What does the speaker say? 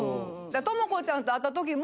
ともこちゃんと会ったときも。